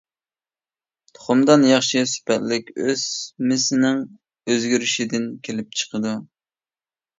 تۇخۇمدان ياخشى سۈپەتلىك ئۆسمىسىنىڭ ئۆزگىرىشىدىن كېلىپ چىقىدۇ.